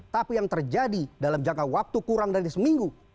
tapi yang terjadi dalam jangka waktu kurang dari seminggu